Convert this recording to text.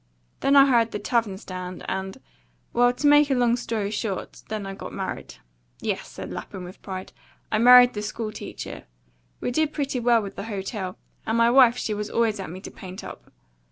Then I hired the tavern stand, and well to make a long story short, then I got married. Yes," said Lapham, with pride, "I married the school teacher. We did pretty well with the hotel, and my wife she was always at me to paint up.